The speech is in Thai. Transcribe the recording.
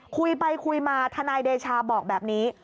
คุยไปคุยมาทนายเดชาบอกแบบนี้